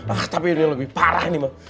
ah tapi ini lebih parah nih mah